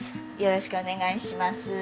よろしくお願いします。